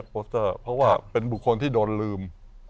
เพราะว่าเป็นบุคคลที่โดนลืม